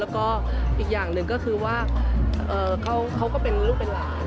แล้วก็อีกอย่างหนึ่งก็คือว่าเขาก็เป็นลูกเป็นหลาน